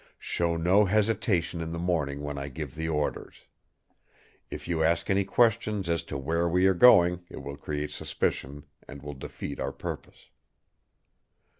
Show no hesitation in the morning when I give the orders! If you ask any questions as to where we are going it will create suspicion, and will defeat our purpose.